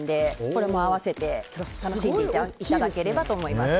これも併せて楽しんでいただければと思います。